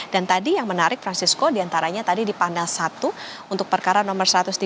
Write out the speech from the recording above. dan tadi yang menarik fransisco diantaranya tadi di panel satu untuk perkara nomor satu ratus tiga puluh